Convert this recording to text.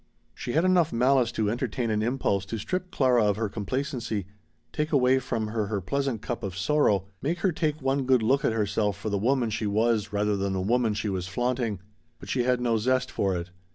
She had enough malice to entertain an impulse to strip Clara of her complacency, take away from her her pleasant cup of sorrow, make her take one good look at herself for the woman she was rather than the woman she was flaunting. But she had no zest for it.